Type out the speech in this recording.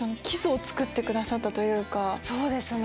そうですね。